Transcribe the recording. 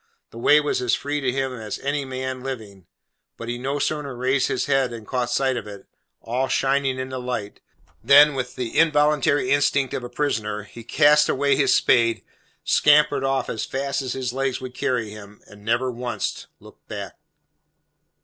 The way was as free to him as to any man living, but he no sooner raised his head and caught sight of it, all shining in the light, than, with the involuntary instinct of a prisoner, he cast away his spade, scampered off as fast as his legs would carry him, and never once looked back.